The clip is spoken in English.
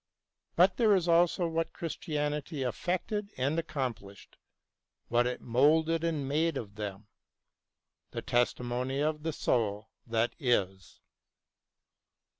But there is also what Christianity effected and accomplished, what it moulded and made of them — the testimony of the soul that is.